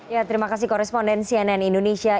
ya terima kasih koresponden cnn indonesia